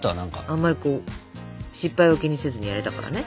あんまりこう失敗を気にせずにやれたからね。